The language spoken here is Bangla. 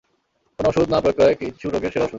কোনো ওষুধ না প্রয়োগ করাই, কিছু রোগের সেরা ওষুধ!